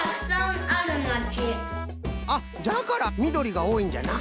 あっじゃからみどりがおおいんじゃな。